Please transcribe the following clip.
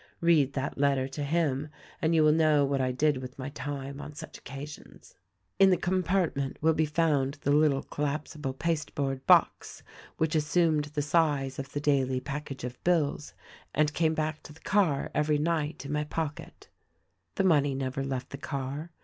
Read that letter to him and you will know what I did with my time on such occasions. "In the compartment will be found the little collapsible pasteboard box which assumed the size of the daily package of bills, and came back to the car every night in my pocket. "The money never left the car.